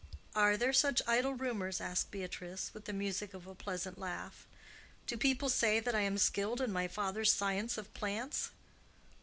"Are there such idle rumors?" asked Beatrice, with the music of a pleasant laugh. "Do people say that I am skilled in my father's science of plants?